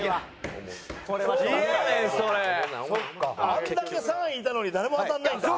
あれだけ３位いたのに誰も当たらないんだ。